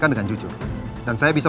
ini bunga yang saya beli